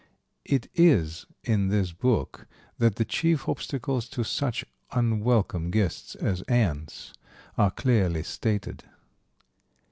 It is in this book that the chief obstacles to such unwelcome guests as ants are clearly stated.